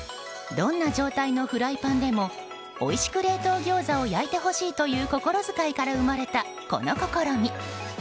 どんな状態のフライパンでもおいしく冷凍ギョーザを焼いてほしいという心遣いから生まれたこの試み。